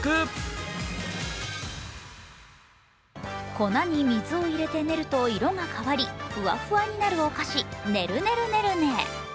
粉に水を入れて練ると色が変わり、ふわふわになるお菓子、ねるねるねるね。